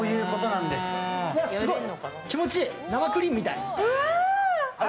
すごい、気持ちいい、生クリームみたい。